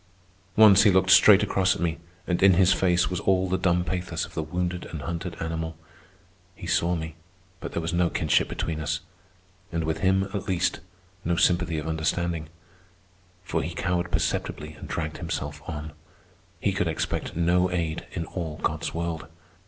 Once he looked straight across at me, and in his face was all the dumb pathos of the wounded and hunted animal. He saw me, but there was no kinship between us, and with him, at least, no sympathy of understanding; for he cowered perceptibly and dragged himself on. He could expect no aid in all God's world.